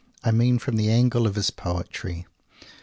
I mean from the angle of his poetry.